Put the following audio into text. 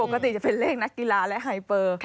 ปกติจะเป็นเลขนักกีฬาและไฮเปอร์